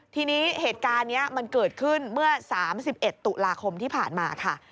ทีนี้เหตุการณ์นี้มันเกิดขึ้นเมื่อ๓๑ตุลาคมที่ผ่านมาค่ะ